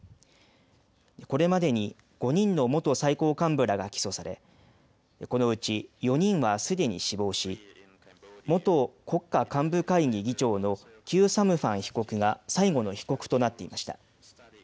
これまでに、５人の元最高幹部らが起訴されこのうち４人はすでに死亡し元国家幹部会議議長のキュー・サムファン被告が最後の被告となっていました。